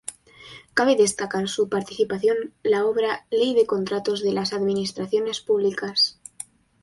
Cabe destacar su participación la obra “Ley de Contratos de las Administraciones Públicas.